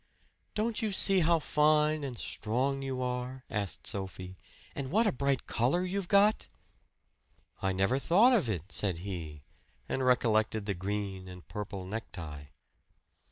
"Don't you see how fine and strong you are?" said Sophie. "And what a bright color you've got?" "I never thought of it," said he, and recollected the green and purple necktie.